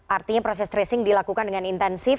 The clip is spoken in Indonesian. artinya proses tracing dilakukan dengan intensif